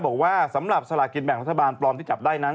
บอกว่าสำหรับสลากินแบ่งรัฐบาลปลอมที่จับได้นั้น